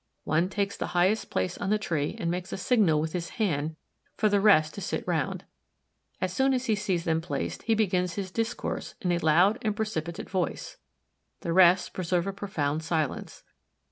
One takes the highest place on the tree and makes a signal with his hand for the rest to sit round. As soon as he sees them placed he begins his discourse in a loud and precipitate voice; the rest preserve a profound silence.